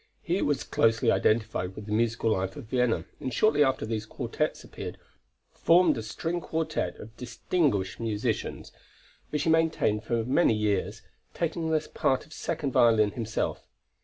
He was closely identified with the musical life of Vienna, and shortly after these quartets appeared, formed a string quartet of distinguished musicians, which he maintained for many years, taking the part of second violin himself.